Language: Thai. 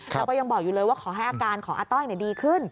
แล้วก็ยังบอกอยู่เลยว่าขอให้อาการของอาต้อยดีขึ้น